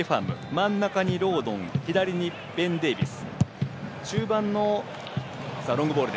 真ん中にロードン左にベン・デービス。